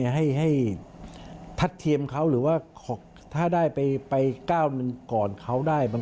ให้ทัดเทียมเขาหรือว่าถ้าได้ไปก้าวหนึ่งก่อนเขาได้